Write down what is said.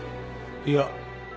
いや。